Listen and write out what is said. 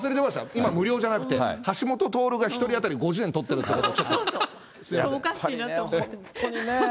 今、無料じゃなくて、橋下徹が１人当たり５０円取ってるってこと、ちょっとすみません。